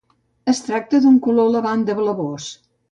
Es tracta d'un color lavanda blavós.